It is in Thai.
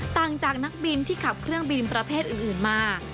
ต่างจากนักบินที่ขับเครื่องบินประเภทอื่นมา